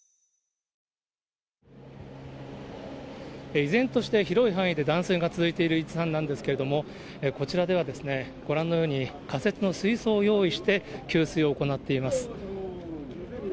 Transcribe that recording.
依然として広い範囲で断水が続いているなんですけど、こちらではご覧のように、仮設の水槽を用意して、給水を行っています。